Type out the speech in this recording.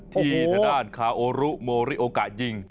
ที่ธนาคาร์โอรุโมริโอกะยิง